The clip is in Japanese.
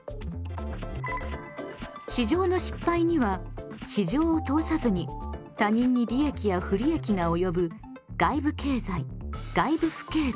市場の失敗には市場を通さずに他人に利益や不利益が及ぶ外部経済・外部不経済。